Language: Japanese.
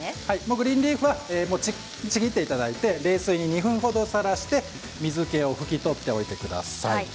グリーンリーフはちぎっていただいて冷水に２分程さらして水けを拭き取っておいてください。